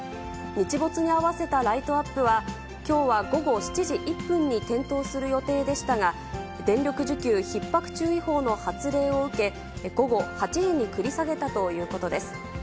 日没に合わせたライトアップは、きょうは午後７時１分に点灯する予定でしたが、電力需給ひっ迫注意報の発令を受け、午後８時に繰り下げたということです。